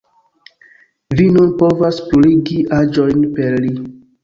Vi nun povas bruligi aĵojn per li